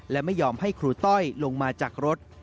และไม่ยอมให้ครูต้อยลงมาจากรถ